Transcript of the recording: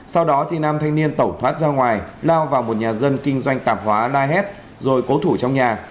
sau đó thì nam thanh niên tẩu thoát ra ngoài lao vào một nhà dân kinh doanh tạp hóa la hét rồi cố thủ trong nhà